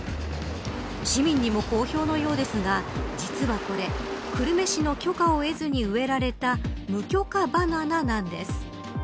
市民にも好評のようですが実はこれ、久留米市の許可を得ずに植えられた無許可バナナなんです。